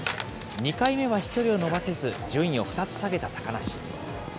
２回目は飛距離を伸ばせず、順位を２つ下げた高梨。